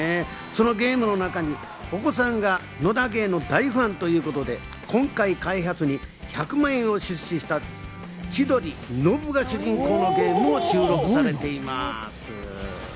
そのゲームの中には、お子さんが『野田ゲー』の大ファンということで今回開発に１００万円を出資した千鳥・ノブが主人公のゲームも収録されております。